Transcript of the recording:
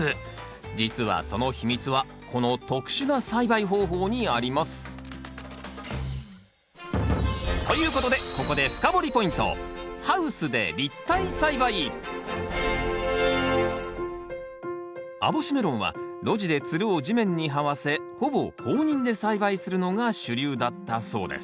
実はその秘密はこの特殊な栽培方法にあります。ということでここで網干メロンは露地でつるを地面に這わせほぼ放任で栽培するのが主流だったそうです。